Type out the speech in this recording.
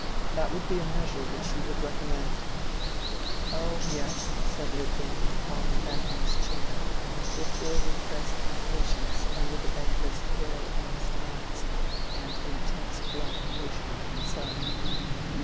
That would be a measure which you would recommend?" "Oh yes," said Lydgate, falling backward in his chair, with ill repressed impatience under the banker's pale earnest eyes and intense preoccupation with himself.